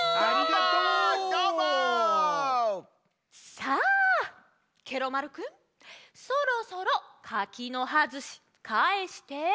さあケロ丸くんそろそろ柿の葉ずしかえして？